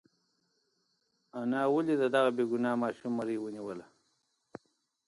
انا ولې د دغه بېګناه ماشوم مرۍ ونیوله؟